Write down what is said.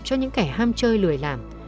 cho những kẻ ham chơi lười làm